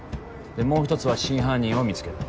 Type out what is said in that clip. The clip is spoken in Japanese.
でもう１つは真犯人を見つける。